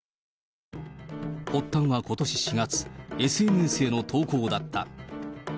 発端はことし４月、ＳＮＳへの投稿だった。